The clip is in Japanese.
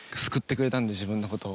自分のことを。